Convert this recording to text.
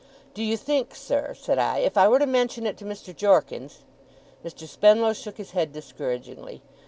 'Do you think, sir,' said I, 'if I were to mention it to Mr. Jorkins ' Mr. Spenlow shook his head discouragingly.